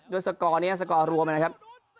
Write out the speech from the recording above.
สกอร์นี้สกอร์รวมนะครับ